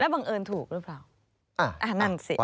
แล้วบังเอิญถูกรึเปล่า